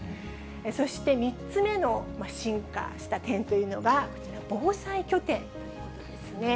そして３つ目の進化した点というのが、こちら、防災拠点ということなんですね。